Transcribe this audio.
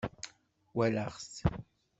Wallaɣ-t